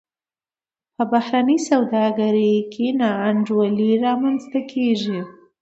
په بهرنۍ سوداګرۍ کې نا انډولي رامنځته کیږي.